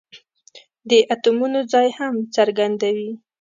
د اتومونو ځای هم څرګندوي.